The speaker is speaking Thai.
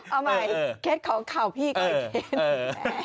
เอาใหม่เคสของข่าวพี่ก็อีกเคสหนึ่งแหละ